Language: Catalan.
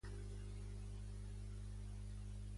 Va interceptar i destruir nombroses naus espanyoles.